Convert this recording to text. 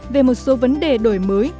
về một số vấn đề đổi mới